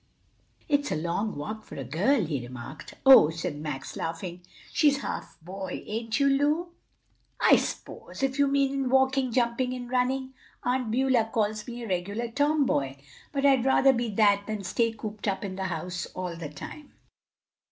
"It's a long walk for a girl," he remarked. "Oh," said Max, laughing, "she's half boy; ain't you, Lu?" "I s'pose; if you mean in walking, jumping and running. Aunt Beulah calls me a regular tomboy. But I'd rather be that than stay cooped up in the house all the time."